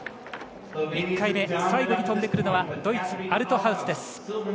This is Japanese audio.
１回目、最後に飛んでくるのはドイツ、アルトハウスです。